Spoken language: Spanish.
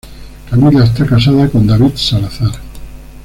Camila está casada con David Salazar.